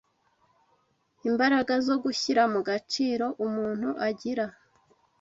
imbaraga zo gushyira mu gaciro umuntu agira.